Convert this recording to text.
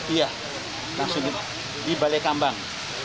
iya langsung di balai kambang